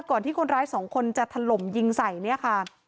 ก่อนที่คนร้าย๒คนจะถล่มยิงใส่นี่ค่ะ